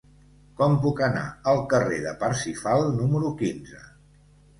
Com puc anar al carrer de Parsifal número quinze?